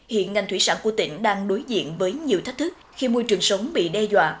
hiện ngành thủy sản của tỉnh đang đối diện với nhiều thách thức khi môi trường sống bị đe dọa